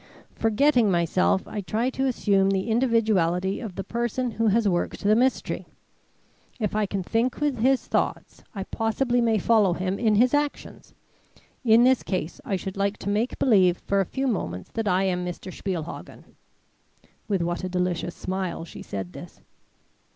Forgetting myself, I try to assume the individuality of the person who has worked the mystery. If I can think with his thoughts, I possibly may follow him in his actions. In this case I should like to make believe for a few moments that I am Mr. Spielhagen" (with what a delicious smile she said this).